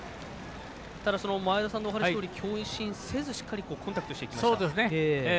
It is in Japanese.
ただ、前田さんのお話どおり強振せずにしっかりコンタクトしていきました。